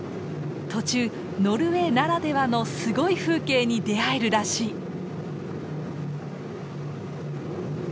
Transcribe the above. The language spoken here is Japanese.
途中ノルウェーならではのすごい風景に出会えるらしい！